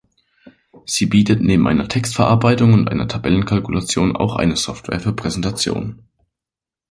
Sie bietet neben einer Textverarbeitung und einer Tabellenkalkulation auch eine Software für Präsentationen.